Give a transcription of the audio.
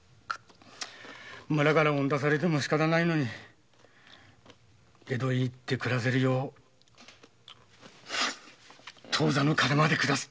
村からおん出されても仕方ないのに江戸へ出て暮らせるよう当座の金まで下さった。